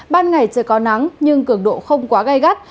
ban ngày trời có nắng nhưng cường độ không quá gai gắt